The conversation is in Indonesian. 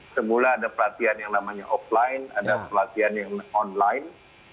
semula ada pelatihan yang namanya offline ada pelatihan yang online